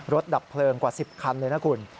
ดับเพลิงกว่า๑๐คันเลยนะคุณ